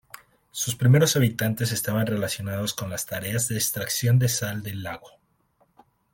Sus primeros habitantes estaban relacionados con las tareas de extracción de sal del lago.